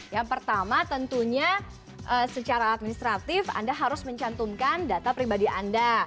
yang pertama tentunya secara administratif anda harus mencantumkan data pribadi anda